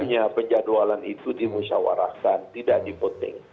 umumnya penjadwalan itu dimusyawarahkan tidak dipoting